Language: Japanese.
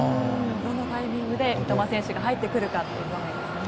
どのタイミングで三笘選手が入ってくるかですね。